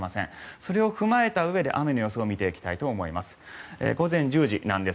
それを踏まえたうえで雨の予想を見ていきます。